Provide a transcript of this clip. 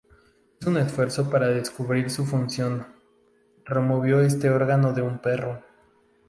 En un esfuerzo para descubrir su función, removió este órgano de un perro.